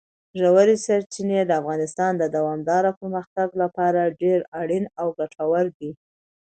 ژورې سرچینې د افغانستان د دوامداره پرمختګ لپاره ډېر اړین او ګټور دي.